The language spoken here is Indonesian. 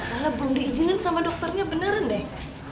soalnya belum di izinin sama dokternya beneran deh